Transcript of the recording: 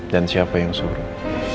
dan siapa yang suruh